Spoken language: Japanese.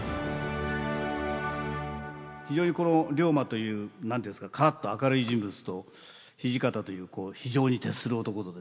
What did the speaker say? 非常にこの竜馬という何て言うんですかカラッと明るい人物と土方という非情に徹する男とですね